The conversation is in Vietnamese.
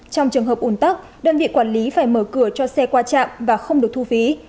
trong trường hợp ủn tắc đơn vị quản lý phải mở cửa cho xe qua trạm và không được thu phí